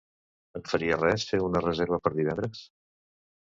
Et faria res fer una reserva per divendres?